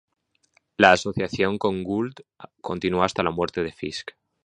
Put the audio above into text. La asociación con Gould continuó hasta la muerte de Fisk.